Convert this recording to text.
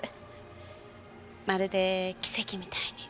まるで奇跡みたいに。